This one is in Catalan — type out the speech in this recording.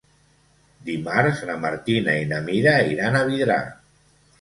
Dimarts na Martina i na Mira iran a Vidrà.